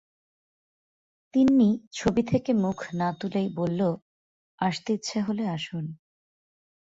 তিন্নি ছবি থেকে মুখ না-ভুলেই বলল, আসতে ইচ্ছে হলে আসুন।